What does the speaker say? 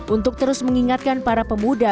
untuk terus mengingatkan para pemuda